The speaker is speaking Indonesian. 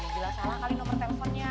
ini jelas salah kali nomor teleponnya